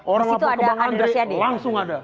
orang orang ke bapak andre langsung ada